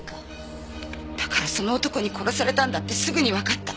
だからその男に殺されたんだってすぐにわかった。